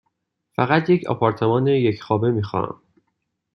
فقط یک آپارتمان یک خوابه می خواهم.